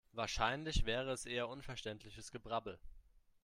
Wahrscheinlich wäre es eher unverständliches Gebrabbel.